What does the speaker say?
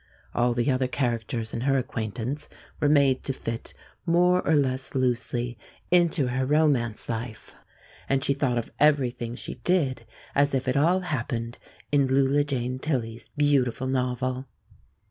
All the other characters in her acquaintance were made to fit more or less loosely into her romance life, and she thought of everything she did as if it all happened in Lulu Jane Tilley's beautiful novel.